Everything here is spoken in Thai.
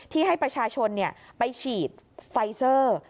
ให้ประชาชนไปฉีดไฟเซอร์